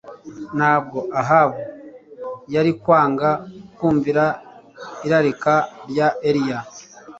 Ntabwo Ahabu yari kwanga kumvira irarika rya Eliya